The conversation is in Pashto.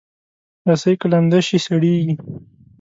رسۍ که لمده شي، سړېږي.